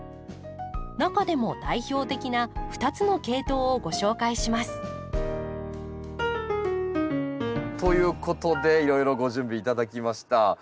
中でも代表的な２つの系統をご紹介します。ということでいろいろご準備頂きました。